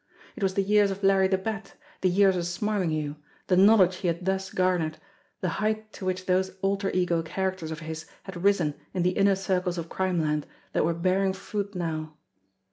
It was the years of Larry the Bat, the years of Smarlinghue, the knowledge he had thus garnered, the height to which those alter ego characters of his had risen in the inner circles of Crimeland, that were bearing fruit now.